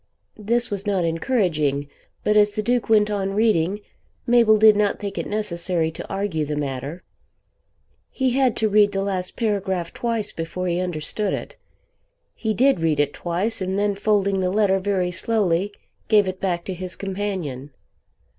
This was not encouraging, but as the Duke went on reading, Mabel did not think it necessary to argue the matter. He had to read the last paragraph twice before he understood it. He did read it twice, and then folding the letter very slowly gave it back to his companion.